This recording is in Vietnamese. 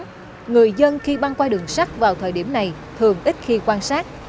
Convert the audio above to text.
vì vậy người dân khi băng qua đường sắt vào thời điểm này thường ít khi quan sát